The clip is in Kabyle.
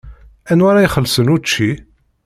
Anwa ara ixellṣen učči?